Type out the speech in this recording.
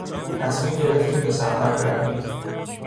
تصمیم گرفتیم به سفر برویم.